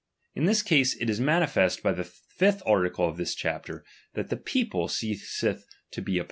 In this case, it is manifest by the fifth article of this chapter, that the people ceaseth to be a perso?